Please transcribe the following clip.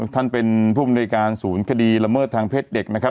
ท่านเป็นผู้บริการศูนย์คดีละเมิดทางเพศเด็ก